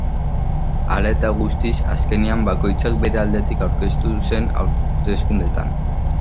Hala eta guztiz, azkenean bakoitzak bere aldetik aurkeztu zen hauteskundeetara.